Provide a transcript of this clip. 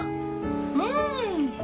うん！